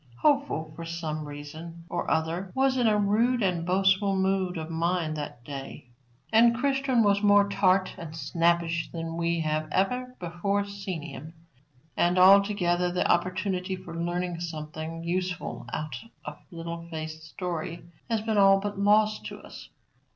Hopeful, for some reason or other, was in a rude and boastful mood of mind that day, and Christian was more tart and snappish than we have ever before seen him; and, altogether, the opportunity of learning something useful out of Little Faith's story has been all but lost to us.